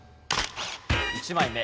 １枚目。